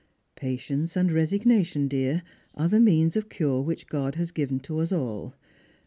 Patience and I'esignation, dear, are the means of cure which God has given to us all.